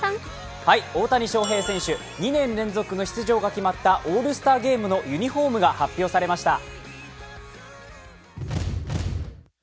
大谷翔平選手、２年連続の出場が決まったオールスターゲームのユニフォームが発表されました。